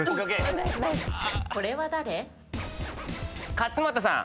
勝俣さん。